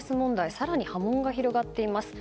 更に波紋が広がっています。